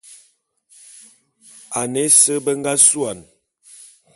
Ane ese be nga suane.